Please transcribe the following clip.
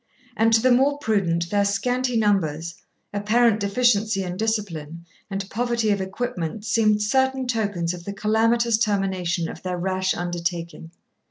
And to the more prudent their scanty numbers, apparent deficiency in discipline, and poverty of equipment seemed certain tokens of the calamitous termination of their rash undertaking.